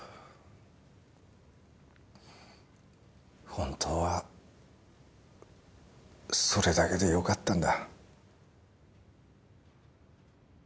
本当はそれだけでよかったんだ。